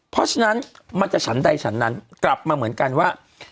เพราะฉะนั้นมันจะฉันใดฉันนั้นกลับมาเหมือนกันว่า